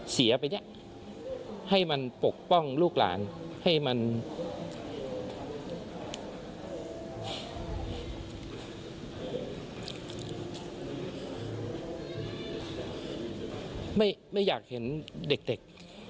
เสียไปเนี่ยให้มันปกป้องลูกหลานให้มันไม่ไม่อยากเห็นเด็กเด็ก